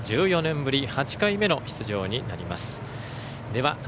１４年ぶり８回目の出場です。